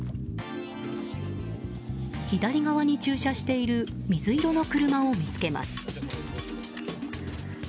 左側に駐車している水色の車を見つけます。